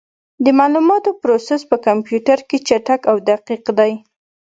د معلوماتو پروسس په کمپیوټر کې چټک او دقیق دی.